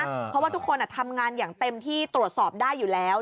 เพราะว่าทุกคนทำงานอย่างเต็มที่ตรวจสอบได้อยู่แล้ว